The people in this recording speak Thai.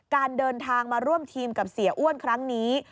การเดินทางมาร่วมทีมกับเสียอ้วนครั้งนี้